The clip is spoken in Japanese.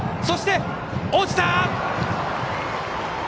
そして、落ちた！